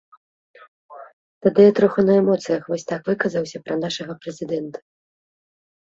Тады я троху на эмоцыях вось так выказаўся пра нашага прэзідэнта.